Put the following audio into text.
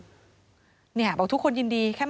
แบบว่าทุกคนยินดี